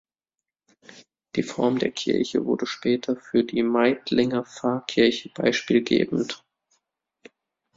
Die Form der Kirche wurde später für die Meidlinger Pfarrkirche beispielgebend.